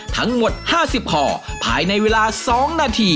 ทั้งหมด๕๐ห่อภายในเวลา๒นาที